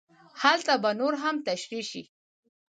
هلته به نور هم تشرېح شي.